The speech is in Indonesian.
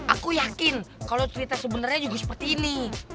aku yakin kalo cerita sebenernya juga seperti ini